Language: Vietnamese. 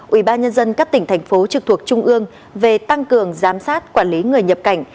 ủy ban nhân dân các tỉnh thành phố trực thuộc trung ương về tăng cường giám sát quản lý người nhập cảnh